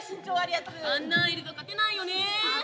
あんなんいると勝てないよねぇ。